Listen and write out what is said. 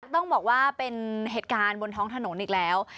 ต้องบอกว่าเป็นเหตุการณ์บนท้องถนนอีกแล้ว